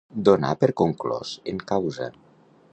Donar per conclòs en causa.